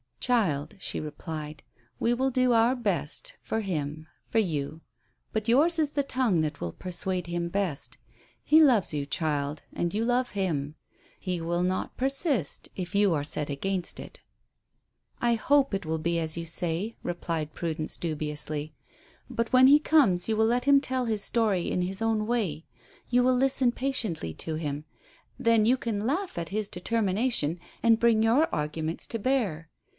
"Child," she replied, "we will all do our best for him for you; but yours is the tongue that will persuade him best. He loves you, child, and you love him. He will not persist, if you are set against it." "I hope it will be as you say," replied Prudence dubiously. "But when he comes you will let him tell his story in his own way. You will listen patiently to him. Then you can laugh at his determination and bring your arguments to bear.